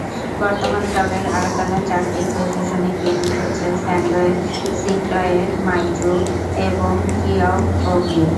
বর্তমানকালের আরাকানের চারটি প্রশাসনিক ইউনিট হচ্ছে স্যান্ডোয়ে, সিটটয়ে, মাইয়ু এবং কিয়াউকপিউ।